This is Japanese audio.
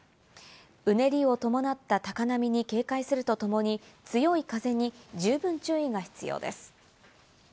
うねりを伴った高波に警戒するとともに、強い風に十分注意が必要です。